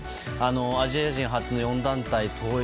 アジア人初、４団体統一